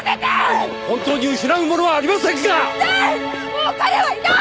もう彼はいない！